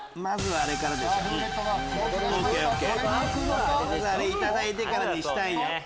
あれいただいてからにしたい。